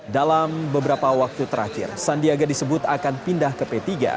dalam beberapa waktu terakhir sandiaga disebut akan pindah ke p tiga